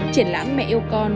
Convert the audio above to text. triển lãm mẹ yêu con